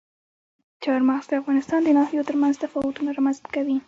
چار مغز د افغانستان د ناحیو ترمنځ تفاوتونه رامنځته کوي.